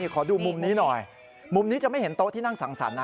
ขอดูมุมนี้หน่อยมุมนี้จะไม่เห็นโต๊ะที่นั่งสังสรรค์นะ